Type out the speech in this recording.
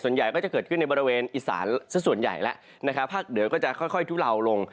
ส่วนใหญ่ก็จะเกิดขึ้นในบริเวณอีสานสักส่วนใหญ่แล้วนะครับภาคเหนือก็จะค่อยทุเลาลง